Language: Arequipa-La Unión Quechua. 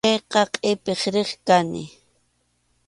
Chayqa qʼipiq riq kani.